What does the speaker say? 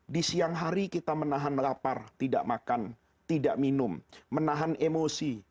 di siang hari kita menahan lapar tidak makan tidak minum menahan emosi